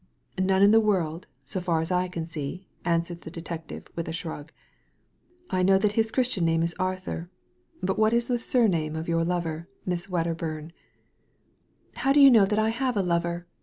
" None in the world, so far as I can see," answered the detective, with a shrug. " I know that his Christian name is Arthur, but what is the surname of your lover, Miss Wedderbum?" " How do you know that I have a lover